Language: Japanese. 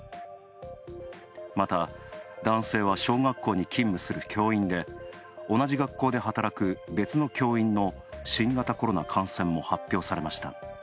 また、男性は小学校に勤務する教員で、同じ学校で働く、別の教員の新型コロナの感染も発表されました。